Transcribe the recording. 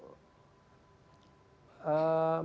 di sana dalam rangka penyelidikan